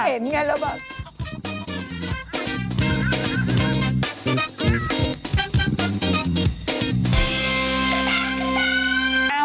แต่เห็นอย่างนั้นแล้วแบบ